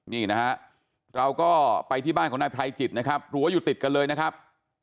นี่นะฮะเราก็ไปที่บ้านของนายไพรจิตนะครับรั้วอยู่ติดกันเลยนะครับ